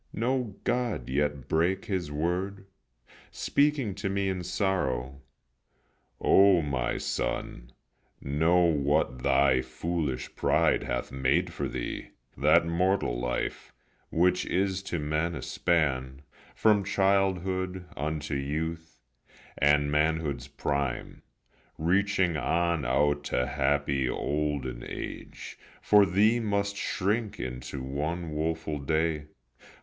No god yet brake his word. Speaking to me in sorrow: "O my son, Know what thy foolish pride hath made for thee. That mortal life which is to men a span, From childhood unto youth, and manhood's prime, Reaching on out to happy olden age, For thee must shrink into one woeful day.